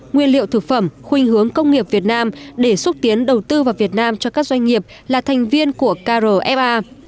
nguyên liệu thực phẩm khuyên hướng công nghiệp việt nam để xúc tiến đầu tư vào việt nam cho các doanh nghiệp là thành viên của krfa